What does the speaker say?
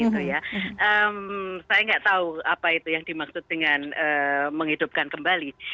saya nggak tahu apa itu yang dimaksud dengan menghidupkan kembali